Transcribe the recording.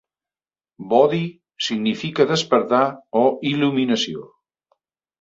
"Bodhi" significa "despertar" o "il·luminació".